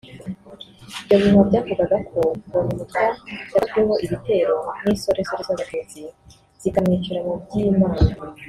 Ibyo bihuha byavugaga ko Mbonyumutwa yagabweho igitero n’insoresore z’Abatutsi zikamwicira mu Byimana